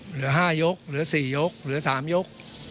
เหลือ๕ยกเหลือ๔ยกเหลือ๓ยก